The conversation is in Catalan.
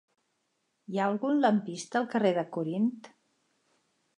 Hi ha algun lampista al carrer de Corint?